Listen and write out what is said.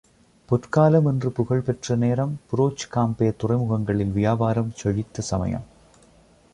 பொற்காலம் என்று புகழ்பெற்ற நேரம், புரோச் காம்பே துறைமுகங்களில் வியாபாரம் செழித்த சமயம்.